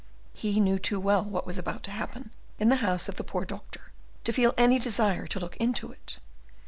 He knew too well what was about to happen in the house of the poor doctor to feel any desire to look into it.